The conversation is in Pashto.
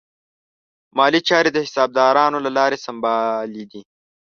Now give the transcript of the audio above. مالي چارې د حسابدارانو له لارې سمبالې دي.